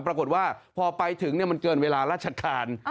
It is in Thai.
ปรากฏว่าพอไปถึงมันเกินเวลาราชการ